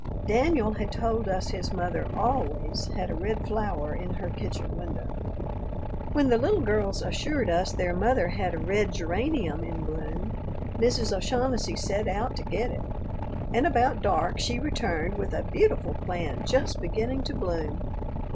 Daniel had told us his mother always had a red flower in her kitchen window. When the little girls assured us their mother had a red geranium in bloom, Mrs. O'Shaughnessy set out to get it; and about dark she returned with a beautiful plant just beginning to bloom.